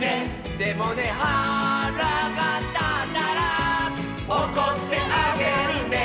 「でもねはらがたったら」「おこってあげるね」